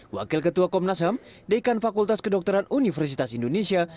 wakil ketua komnas ham dekan fakultas kedokteran universitas indonesia